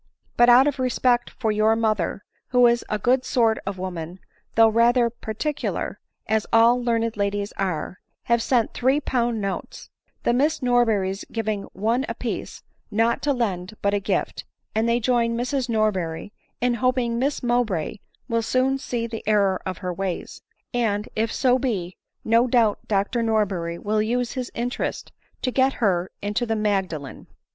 But out of respect for your mother, who is a good sort of woman, though rather particular, as all learned ladies are, have sent three pound notes ; die Miss Norberry's SVing one a piece, not to lend, but a gift, and they join Irs Norberry in hoping Miss Mowbray will soon see the error of her ways ; and, if so be, no doubt Dr Norberry will use his interest to get her into the Magdalen."